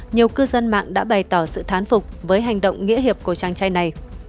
nhiều cư dân mạng đã bày tỏ sự thán phục với hành động nghĩa hiệp của chàng trai này